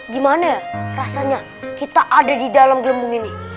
gimana rasanya kita ada di dalam gelombung ini